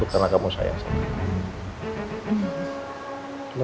aku nyentuhkan agama saya